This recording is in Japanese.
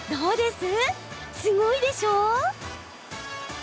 すごいでしょ！